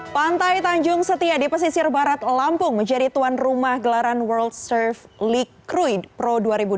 pantai tanjung setia di pesisir barat lampung menjadi tuan rumah gelaran world surf league kruid pro dua ribu dua puluh dua